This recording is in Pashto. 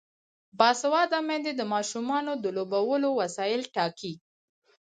باسواده میندې د ماشومانو د لوبو وسایل ټاکي.